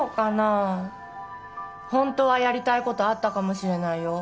あホントはやりたいことあったかもしれないよ